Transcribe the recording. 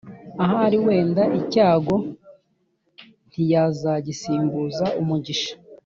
Ahari wenda icyago ntiyazagisimbuza umugisha,